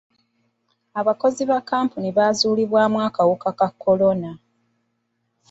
Abakozi ba kkampuni baazuulibwamu akawuka ka kolona.